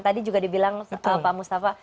tadi juga dibilang pak mustafa